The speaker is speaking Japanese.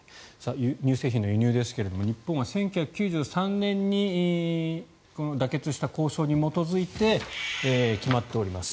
乳製品の輸入ですが日本は１９９３年に妥結した交渉に基づいて決まっております。